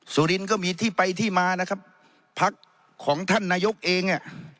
สุรินทร์ก็มีที่ไปที่มานะครับพักของท่านนายกเองอ่ะ